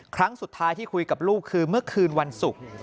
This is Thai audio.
ครั้งสุดท้ายที่คุยกับลูกคือเมื่อคืนวันศุกร์